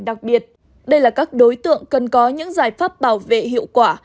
đặc biệt đây là các đối tượng cần có những giải pháp bảo vệ hiệu quả